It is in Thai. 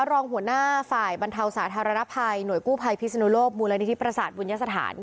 รองหัวหน้าฝ่ายบรรเทาสาธารณภัยหน่วยกู้ภัยพิศนุโลกมูลนิธิประสาทบุญสถาน